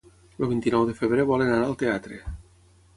El vint-i-nou de febrer volen anar al teatre.